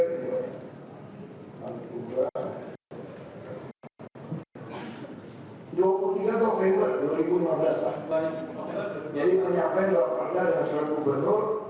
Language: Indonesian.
kumpulkan selain membanyakan